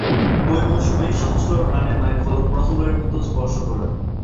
ঐ মৌসুমেই সহস্র রানের মাইলফলক প্রথমবারের মতো স্পর্শ করেন।